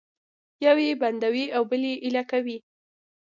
یو یې بندوي او بل یې ایله کوي